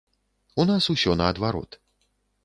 У нас усё наадварот.